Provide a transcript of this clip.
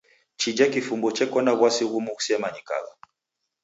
Chija kifumbu cheko na w'asi ghumu ghusemanyikagha.